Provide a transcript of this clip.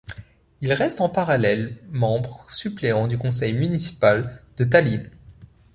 Il reste en parallèle membre suppléant du conseil municipal de Tallinn.